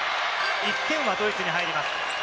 １点はドイツに入ります。